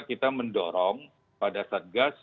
kita mendorong pada satgas